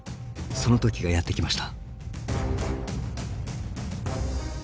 その時がやって来ました。